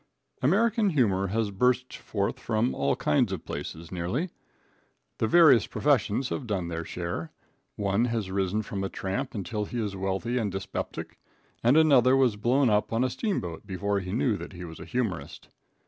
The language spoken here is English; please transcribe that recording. American humor has burst forth from all kinds of places, nearly. The various professions have done their share. One has risen from a tramp until he is wealthy and dyspeptic, and another was blown up on a steamboat before he knew that he was a humorist.